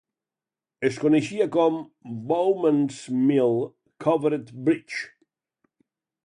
Es coneixia com Bowman's Mill Covered Bridge.